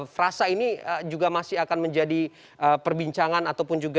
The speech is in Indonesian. frasa ini juga masih akan menjadi perbincangan ataupun juga